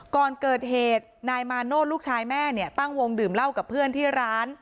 ก่อนเกิดเหตุนายมาโนธลูกชายแม่เนี่ยตั้งวงดื่มเหล้ากับเพื่อนที่ร้าน